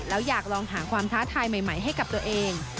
แล้วอยากลองหาความท้าทายใหม่ให้กับตัวเอง